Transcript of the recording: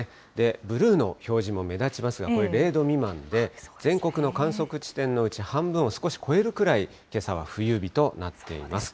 ブルーの表示も目立ちますが、これ０度未満で、全国の観測地点のうち半分を少し超えるくらい、けさは冬日となっています。